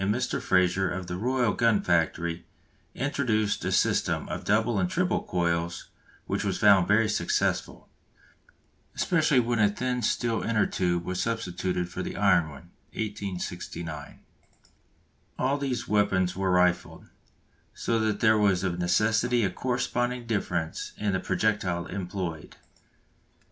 Again coiled iron was called into requisition, and Mr. Frazer of the Royal Gun Factory introduced a system of double and triple coils which was found very successful, especially when a thin steel inner tube was substituted for the iron one (1869). All these weapons were rifled, so that there was of necessity a corresponding difference in the projectile employed.